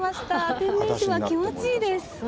天然芝、気持ちいいです。